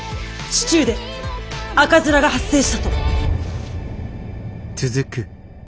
市中で赤面が発生したと。